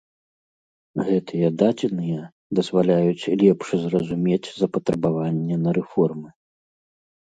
Гэтыя дадзеныя дазваляюць лепш зразумець запатрабаванне на рэформы.